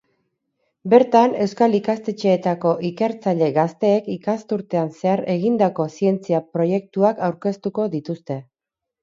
Bertan, euskal ikastetxeetako ikertzaile gazteek ikasturtean zehar egindako zientzia proiektuak aurkeztuko dituzte.